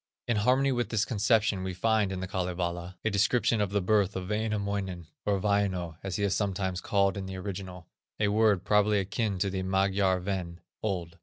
In harmony with this conception we find in the Kalevala, a description of the birth of Wainamoinen, or Vaino, as he is sometimes called in the original, a word probably akin to the Magyar Ven, old.